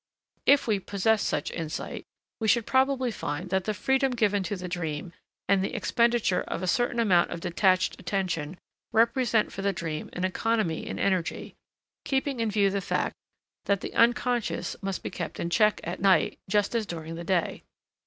If we possessed such insight we should probably find that the freedom given to the dream and the expenditure of a certain amount of detached attention represent for the dream an economy in energy, keeping in view the fact that the unconscious must be held in check at night just as during the day.